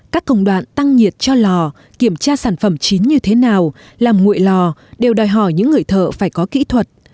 các công đoạn tăng nhiệt cho lò kiểm tra sản phẩm chín như thế nào làm nguội lò đều đòi hỏi những người thợ phải có kỹ thuật